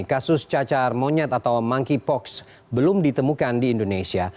kasus cacar monyet atau monkeypox belum ditemukan di indonesia